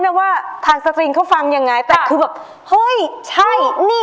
อยากฟังเสียงเธอหายใจ